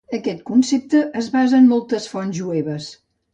Aquest concepte es basa en moltes fonts jueves.